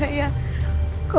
kalau memang dia meninggal